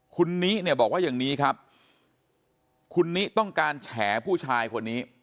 คุณนิเนี่ยบอกว่าอย่างนี้ครับคุณนิต้องการแฉผู้ชายคนนี้